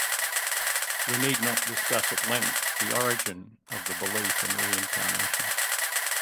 We need not discuss at length the origin of the belief in reincarnation.